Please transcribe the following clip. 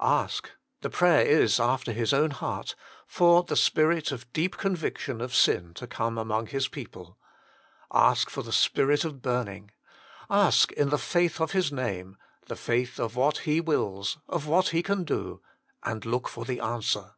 Ask the prayer is after His own heart for the spirit of deep conviction of sin to come among His people. Ask for the spirit of burning. Ask in the faith of His name the faith of what He wills, of what He can do and look for the answer.